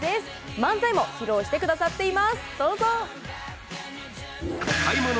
漫才も披露してくださっています、どうぞ。